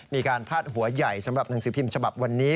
มีการพาดหัวใหญ่สำหรับหนังสือพิมพ์ฉบับวันนี้